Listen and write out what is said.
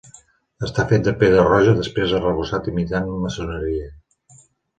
Està fet de pedra roja després arrebossat imitant maçoneria.